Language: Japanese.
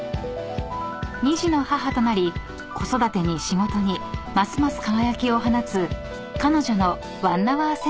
［２児の母となり子育てに仕事にますます輝きを放つ彼女の］